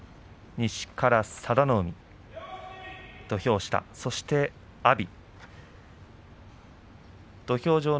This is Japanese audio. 西から佐田の海、そして阿炎。